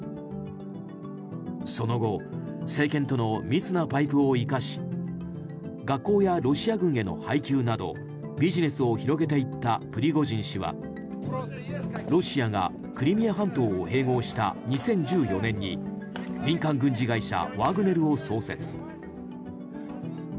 その後政権との密なパイプを生かし学校やロシア軍への配給などビジネスを広げていったプリゴジン氏はロシアがクリミア半島を併合した２０１４年に民間軍事会社ワグネルを創設。